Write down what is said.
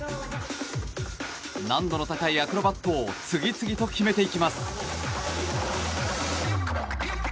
難度の高いアクロバットを次々と決めていきます。